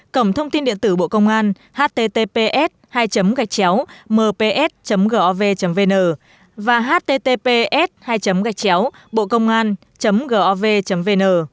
cổng thông tin điện tử bộ công an https hai gạch chéo mps gov vn và https hai gạch chéo bộcôngan gov vn